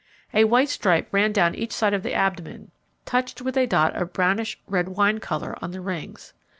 A white stripe ran down each side of the abdomen, touched with a dot of brownish red wine colour on the rings.